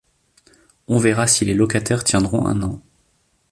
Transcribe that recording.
On verra si les locataires tiendront un an.